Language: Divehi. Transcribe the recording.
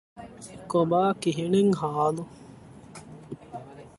މާލެ ސިޓީގެ ފިހާރަތަކުން އަގުބަލަންޖެހޭ ތަކެތީގެ